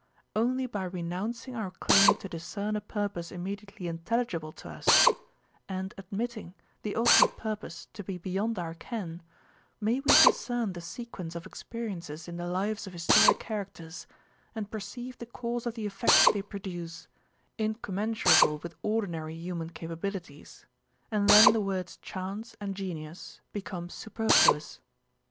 Only by renouncing our claim to discern a purpose immediately intelligible to us, and admitting the ultimate purpose to be beyond our ken, may we discern the sequence of experiences in the lives of historic characters and perceive the cause of the effect they produce (incommensurable with ordinary human capabilities), and then the words chance and genius become superfluous.